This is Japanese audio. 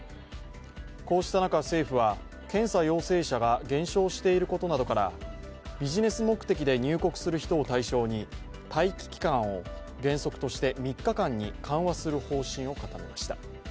こうした中政府は、検査陽性者が減少していることなどからビジネス目的で入国する人を対象に待機期間を原則として３日間に緩和する方針を固めました。